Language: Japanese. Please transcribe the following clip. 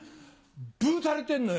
ブたれてんのよ。